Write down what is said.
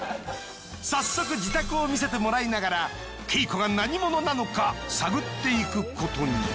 早速自宅を見せてもらいながらＫＥＩＫＯが何者なのか探っていくことに。